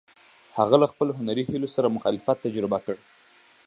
هغه له خپلو هنري هیلو سره مخالفت تجربه کړ.